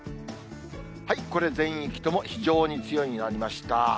これ、全域とも非常に強いになりました。